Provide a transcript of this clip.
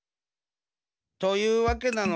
というわけなのさ。